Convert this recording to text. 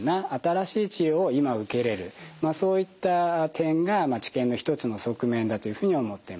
そういった点が治験の一つの側面だというふうに思っています。